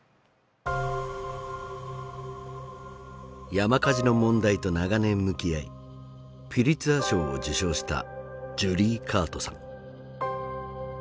山火事の問題と長年向き合いピュリツァー賞を受賞したジュリー・カートさん。